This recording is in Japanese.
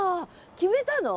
決めたの？